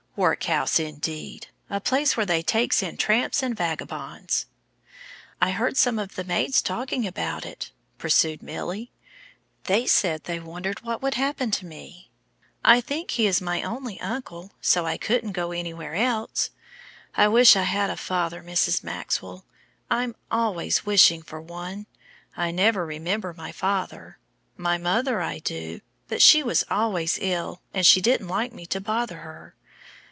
Workhouse, indeed! A place where they takes in tramps and vagabonds." "I heard some of the maids talking about it," pursued Milly; "they said they wondered what would happen to me. I think he is my only uncle, so I couldn't go anywhere else. I wish I had a father, Mrs. Maxwell, I'm always wishing for one. I never remember my father. My mother I do, but she was always ill, and she didn't like me to bother her.